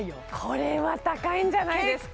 これは高いんじゃないですか？